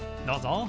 どうぞ。